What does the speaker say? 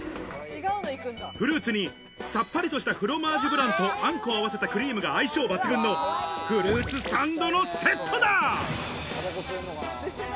フルーツにさっぱりとしたフロマージュブランとあんこを合わせた相性抜群のフルーツサンドのセットだ。